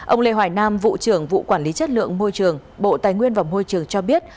ông lê hoài nam vụ trưởng vụ quản lý chất lượng môi trường bộ tài nguyên và môi trường cho biết